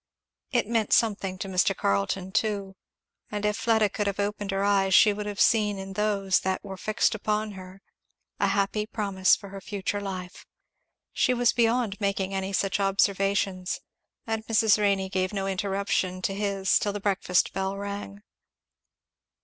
It meant something to Mr. Carleton too; and if Fleda could have opened her eyes she would have seen in those that were fixed upon her a happy promise for her future life. She was beyond making any such observations; and Mrs. Renney gave no interruption to his till the breakfast bell rang.